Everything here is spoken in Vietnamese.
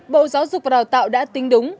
bộ giáo dục và đào tạo đã tính đúng